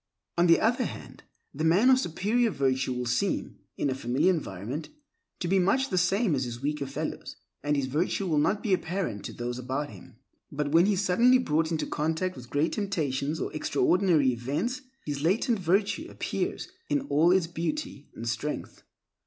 On the other hand, the man of superior virtue will seem, in a familiar environment, to be much the same as his weaker fellows, and his virtue will not be apparent to those about him. But when he is suddenly brought in contact with great temptations or extraordinary events, his latent virtue appears in all its beauty and strength.